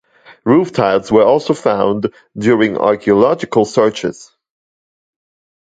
Roof tiles where also found during archeological searches.